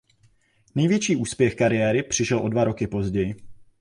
Největší úspěch kariéry přišel o dva roky později.